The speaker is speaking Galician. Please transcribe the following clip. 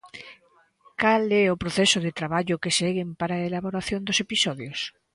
Cal é o proceso de traballo que seguen para a elaboración dos episodios?